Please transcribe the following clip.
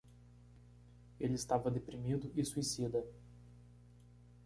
Ele estava deprimido e suicida.